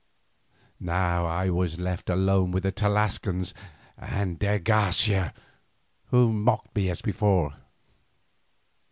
Now I was left alone with the Tlascalans and de Garcia, who mocked me as before.